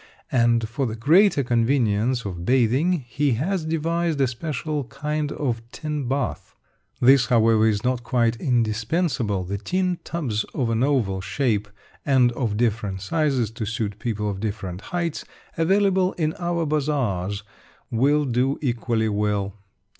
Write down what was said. And for the greater convenience of bathing, he has devised a special kind of tin bath. This, however, is not quite indispensable; the tin tubs of an oval shape and of different sizes to suit people of different heights, available in our bazaars, will do equally well.